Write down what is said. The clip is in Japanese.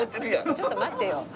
ちょっと待ってよ。